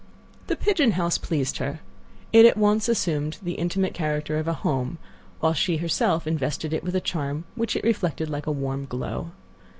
The pigeon house pleased her. It at once assumed the intimate character of a home, while she herself invested it with a charm which it reflected like a warm glow.